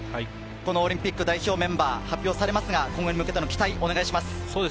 オリンピック代表メンバーが発表されますが、今後に向けての期待をお願いします。